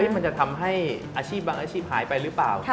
มันจะทำให้อาชีพบางอาชีพหายไปหรือเปล่า